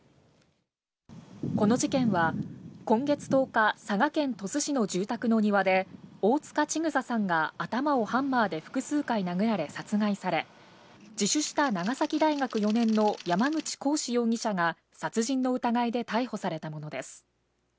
この事件は、今月１０日、佐賀県鳥栖市の住宅の庭で、大塚千種さんが頭をハンマーで複数回殴られ殺害され、自首した長崎大学４年の山口鴻志容疑者が殺人の疑いで逮捕されたものです。